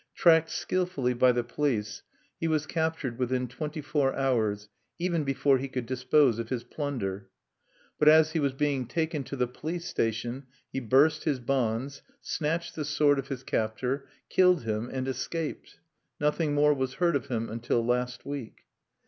Tracked skillfully by the police, he was captured within twenty four hours, even before he could dispose of his plunder. But as he was being taken to the police station he burst his bonds, snatched the sword of his captor, killed him, and escaped. Nothing more was heard of him until last week.